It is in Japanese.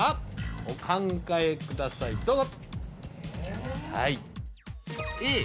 お考え下さいどうぞ。